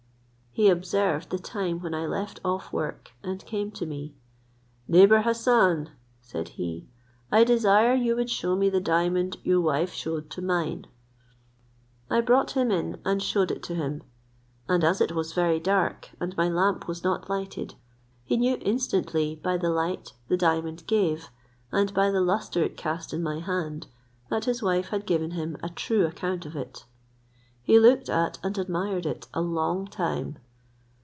He observed the time when I left off work, and came to me. "Neighbour Hassan", said he, "I desire you would shew me the diamond your wife shewed to mine." I brought him in, and shewed it to him. As it was very dark, and my lamp was not lighted, he knew instantly, by the light the diamond gave, and by the lustre it cast in my hand, that his wife had given him a true account of it. He looked at and admired it a long time.